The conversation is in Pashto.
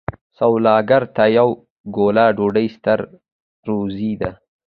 سوالګر ته یوه ګوله ډوډۍ ستر روزی ده